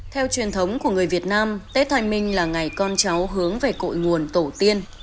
theo truyền thống của người việt nam tết thanh minh là ngày con cháu hướng về cội nguồn tổ tiên